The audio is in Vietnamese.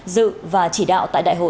dự và chỉ đạo tại đại hội